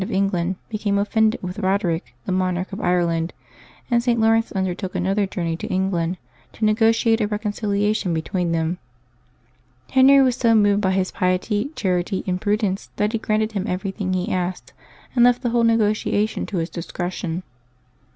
of England became offended with Eod eric, the monarch of Ireland, and St. Laurence undertook another journey to England to negotiate a reconciliation between them. Henry was so moved by his piety, charity, and prudence that he granted him everything he asked, and left the whole negotiation to his discretion.